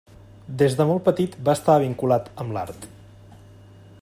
Des de molt petit va estar vinculat amb l'art.